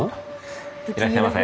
いらっしゃいませ。